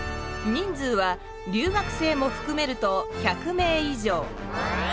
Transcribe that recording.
人数は留学生もふくめると１００名以上。